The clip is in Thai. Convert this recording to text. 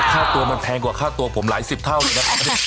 ค่าตัวมันแพงกว่าค่าตัวผมหลายสิบเท่าเลยนะ